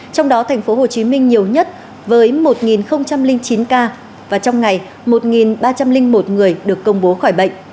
trong đó thành phố hồ chí minh nhiều nhất với một chín ca và trong ngày một ba trăm linh một người được công bố khỏi bệnh